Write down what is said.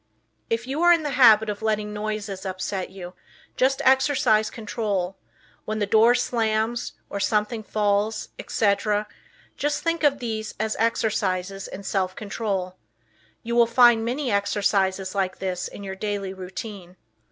If you are in the habit of letting noises upset you, just exercise control; when the door slams, or something falls, etc., just think of these as exercises in self control. You will find many exercises like this in your daily routine.